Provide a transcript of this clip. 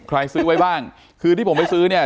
ซื้อไว้บ้างคือที่ผมไปซื้อเนี่ย